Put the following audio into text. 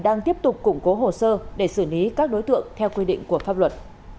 đang tiếp tục củng cố hồ sơ để xử lý các đối tượng theo quy định của pháp luật